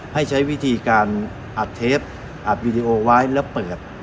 ให้ใช้วิธีการอัดเทปอัดวิดีโอไว้แล้วเปิด